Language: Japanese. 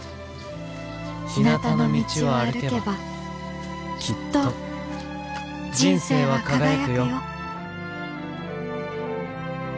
ひなたの道を歩けばきっと人生は輝くよ」。